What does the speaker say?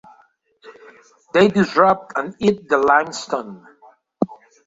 They disrupt and eat the limestone.